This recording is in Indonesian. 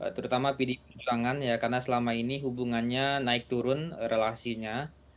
terutama pdi perjuangan ya karena selama ini hubungannya naik turun relasinya